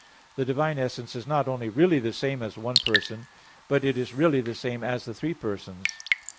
The divine essence is not only really the same as one person, but it is really the same as the three persons.